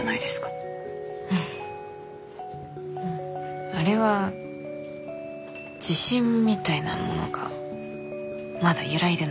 うんあれは自信みたいなものがまだ揺らいでなかったから。